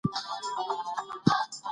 زه د خپل زوی لپاره تازه سنکس جوړوم.